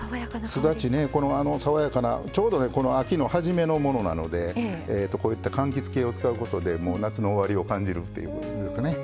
すだちねこの爽やかなちょうどねこの秋の初めのものなのでこういったかんきつ系を使うことでもう夏の終わりを感じるっていうことですかね。